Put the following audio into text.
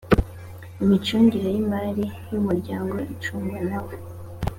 imicungire y ‘imari y ‘umuryango icungwa nawe.